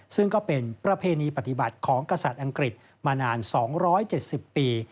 ซึ่งก็เป็นประเพณีปฏิบัติของกษัตริย์อังกฤษมานาน๒๗๐ปี